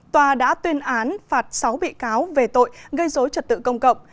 tòa đã tuyên án phạt sáu bị cáo về tội gây dối trật tự công cộng